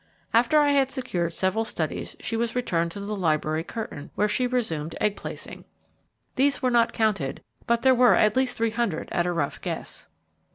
After I had secured several studies she was returned to the library curtain, where she resumed egg placing. These were not counted, but there, were at least three hundred at a rough guess.